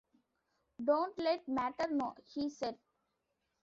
“Don’t let mater know,” he said.